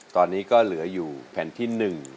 ตอนนี้ก็เหลืออยู่แผ่นที่๑